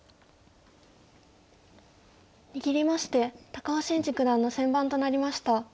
握りまして高尾紳路九段の先番となりました。